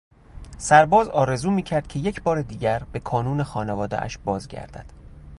سرباز آرزو میکرد که یکبار دیگر به کانون خانوادهاش باز گردد.